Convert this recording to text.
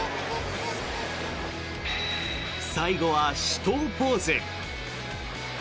最後は手刀ポーズ。